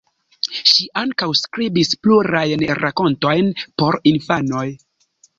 Ŝi ankaŭ skribis plurajn rakontojn por infanoj.